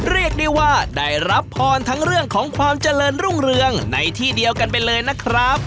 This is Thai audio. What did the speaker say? เรียกได้ว่าได้รับพรทั้งเรื่องของความเจริญรุ่งเรืองในที่เดียวกันไปเลยนะครับ